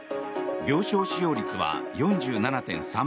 病床使用率は４７．３％。